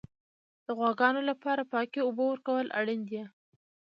د غواګانو لپاره پاکې اوبه ورکول اړین دي.